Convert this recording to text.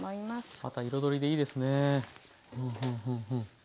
また彩りでいいですね。